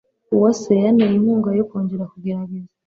Uwase yanteye inkunga yo kongera kugerageza.